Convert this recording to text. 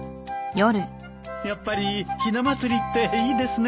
やっぱりひな祭りっていいですねえ。